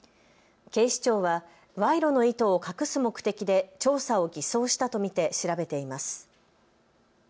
警視庁は賄賂の意図を隠す目的で調査を偽装したと見て調べています。